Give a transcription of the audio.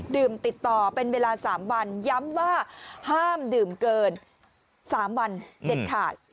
ติดต่อเป็นเวลา๓วันย้ำว่าห้ามดื่มเกิน๓วันเด็ดขาด